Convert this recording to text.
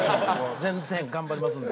全然頑張りますんで。